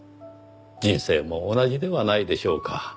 人生も同じではないでしょうか。